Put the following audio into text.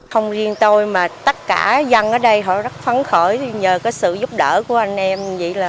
không riêng tôi mà tất cả dân ở đây họ rất phấn khởi nhờ sự giúp đỡ của anh em